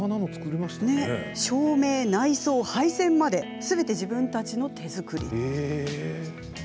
照明や内装、配線まですべて自分たちの手作りです。